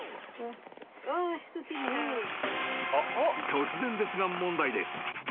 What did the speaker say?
［突然ですが問題です］